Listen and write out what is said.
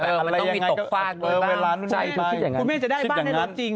เออมันต้องมีตกฟาดเออเวลานู้นใจคุณแม่คุณแม่จะได้บ้านได้รถจริง